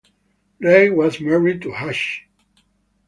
Ray was married to Hashi.